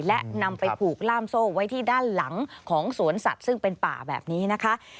และนำไปผูกล่ามโซ่ไว้ที่ด้านหลังของสวนสัตว์ซึ่งเป็นป่าแบบนี้นะคะ